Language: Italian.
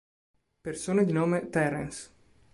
Persone di nome Terence